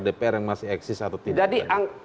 dpr yang masih eksis atau tidak